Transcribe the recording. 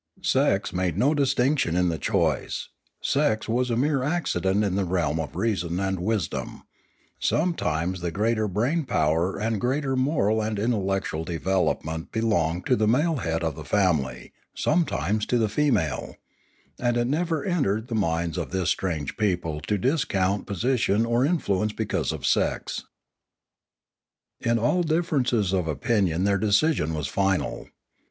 Sex made no distinction in the choice; sex was a mere accident in the realm of reason and wisdom; sometimes the greater brain power and greater moral and intellec tual development belonged to the male head of the family, sometimes to the female; and it never entered the minds of this strange people to discount position or influence because of sex. In all differences of opinion their decision was final.